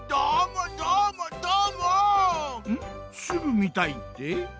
すぐみたいって？